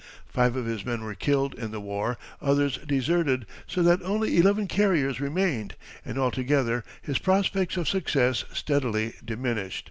Five of his men were killed in the war, others deserted, so that only eleven carriers remained, and altogether his prospects of success steadily diminished.